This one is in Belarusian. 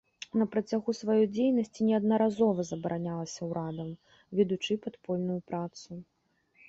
На працягу сваёй дзейнасці неаднаразова забаранялася ўрадам, ведучы падпольную працу.